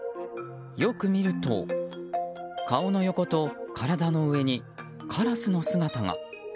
よく見ると、顔の横と体の上にカラスの姿が。